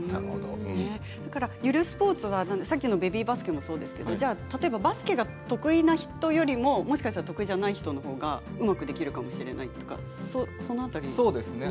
ゆるスポーツはベビーバスケもそうですけどバスケが得意な人よりももしかしたら得意じゃない人のほうがうまくできるかもしれないとかそうですね